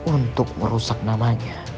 untuk merusak namanya